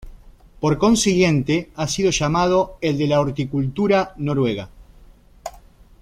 Por consiguiente, ha sido llamado "el de la horticultura noruega".